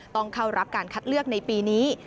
ต้องเข้ารับการคัดเลือกในปีนี้